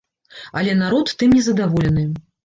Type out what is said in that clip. Але народ тым незадаволены.